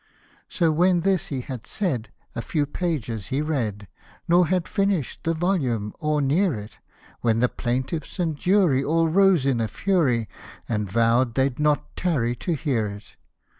So when this he had said, a few pages he read, Nor had finish'd the volume or near it, When the plaintiffs and jury all rose in a fury, And vow'd they'd not tarry to hear it